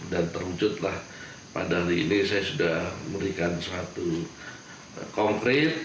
dan terwujudlah pada hari ini saya sudah memberikan suatu konkret